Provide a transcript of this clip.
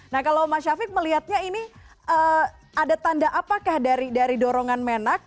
nah kalau mas syafiq melihatnya ini ada tanda apakah dari dorongan menak